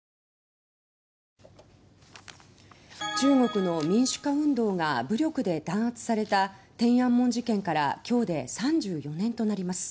中国の民主化運動が武力で弾圧された天安門事件から今日で３４年となります。